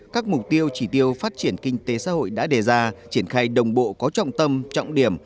các mục tiêu chỉ tiêu phát triển kinh tế xã hội đã đề ra triển khai đồng bộ có trọng tâm trọng điểm